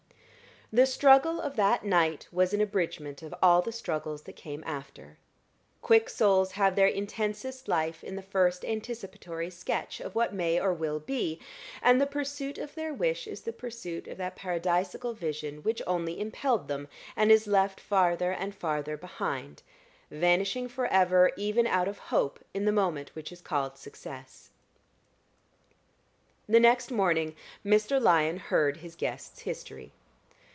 The struggle of that night was an abridgment of all the struggles that came after. Quick souls have their intensest life in the first anticipatory sketch of what may or will be, and the pursuit of their wish is the pursuit of that paradisiacal vision which only impelled them, and is left farther and farther behind, vanishing forever even out of hope in the moment which is called success. The next morning Mr. Lyon heard his guest's history.